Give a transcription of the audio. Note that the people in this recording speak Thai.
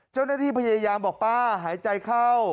เจ้าหน้าที่พยายามบอกป้าหายใจเข้า